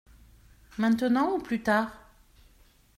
Maintenant ou plus tard ?